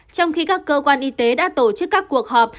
trong khi các cơ quan y tế đã tổ chức các cuộc họp